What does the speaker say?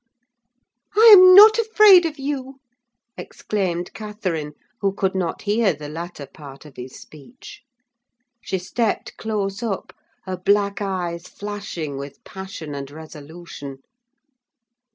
"I am not afraid of you!" exclaimed Catherine, who could not hear the latter part of his speech. She stepped close up; her black eyes flashing with passion and resolution.